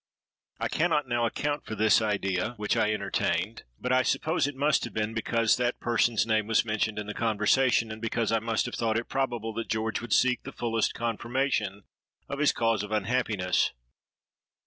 I cannot now account for this idea which I entertained: but I suppose it must have been because that person's name was mentioned in the conversation, and because I must have thought it probable that George would seek the fullest confirmation of his cause of unhappiness.